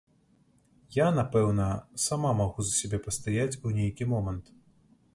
Я, напэўна, сама магу за сябе пастаяць у нейкі момант.